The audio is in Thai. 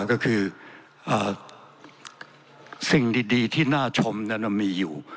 ก็คือสิ่งดีที่น่าชมนั้นมีอยู่